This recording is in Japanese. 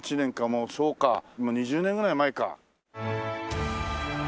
そうかもう２０年ぐらい前か。